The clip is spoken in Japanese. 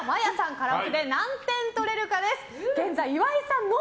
カラオケで何点取れるかです。